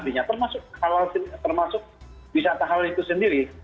termasuk halal termasuk wisata halal itu sendiri